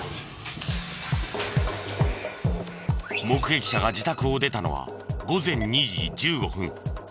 目撃者が自宅を出たのは午前２時１５分。